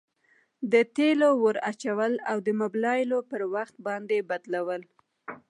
د تیلو ور اچول او د مبلایلو پر وخت باندي بدلول.